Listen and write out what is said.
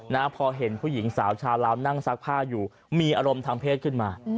นะพอเห็นผู้หญิงสาวชาวลาวนั่งซักผ้าอยู่มีอารมณ์ทางเพศขึ้นมา